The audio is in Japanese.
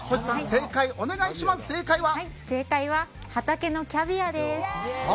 正解は畑のキャビアです。